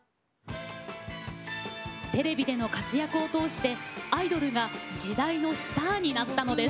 テレビでの活躍を通してアイドルが時代のスターになったのです。